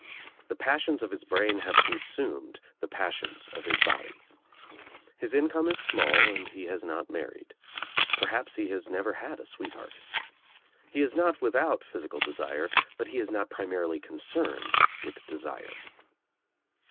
The passions of his brain have consumed the passions of his body. His income is small and he has not married. Perhaps he has never had a sweetheart. He is not without physi cal desire but he Is not primarily concerned jvith desire.